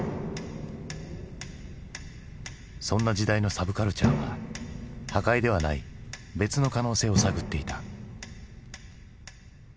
そんな時代のサブカルチャーは破壊ではない別の可能性を探っていた。